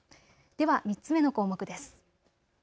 では３つ目の項目です。